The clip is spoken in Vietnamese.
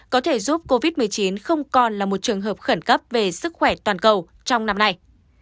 có thể giúp covid một mươi chín không còn là một trường hợp khẩn cấp về sức khỏe toàn cầu trong năm nay